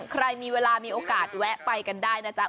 ใครมีเวลามีโอกาสแวะไปกันได้นะจ๊ะ